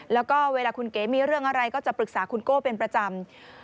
แล้วก็เวลาคุณเก๋มีเรื่องอะไรก็จะปรึกษาคุณโก้เป็นประจำ